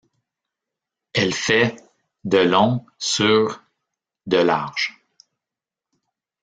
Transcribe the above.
Elle fait de long sur de large.